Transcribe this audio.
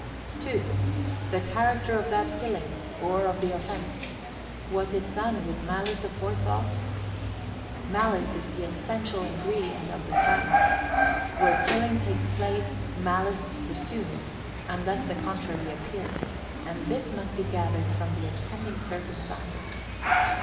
2. The character of that killing, or of the offence. Was it done with malice aforethought? Malice is the essential ingredient of the crime. Where killing takes place, malice is presumed, unless the contrary appear; and this must be gathered from the attending circumstances.